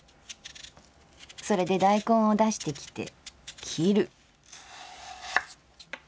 それで大根を出してきて切る」。